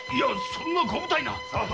そんなご無体な‼